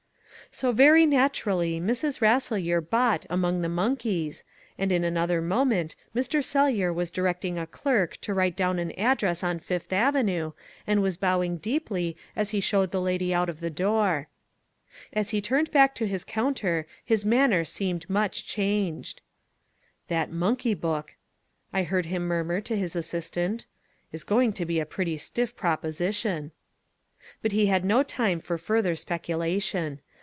So very naturally Mrs. Rasselyer bought Among the Monkeys, and in another moment Mr. Sellyer was directing a clerk to write down an address on Fifth Avenue, and was bowing deeply as he showed the lady out of the door. As he turned back to his counter his manner seemed much changed. "That Monkey book," I heard him murmur to his assistant, "is going to be a pretty stiff proposition." But he had no time for further speculation.